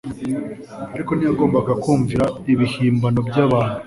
ariko ntiyagombaga kumvira ibihimbano by'abantu.